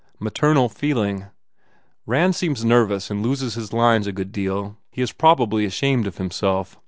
Maternal feeling. Rand seems nervous and loses his lines a good deal. He is probably ashamed of himself.